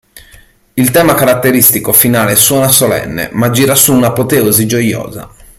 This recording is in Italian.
Il tema caratteristico finale suona solenne, ma gira su un'apoteosi gioiosa.